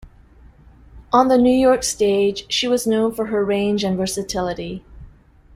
On the New York stage, she was known for her range and versatility.